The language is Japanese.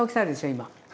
今。